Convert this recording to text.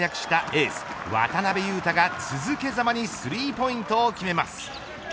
エース、渡邊雄太が続けざまにスリーポイントを決めます。